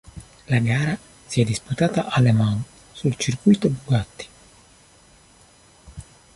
La gara si è disputata a Le Mans, sul circuito Bugatti.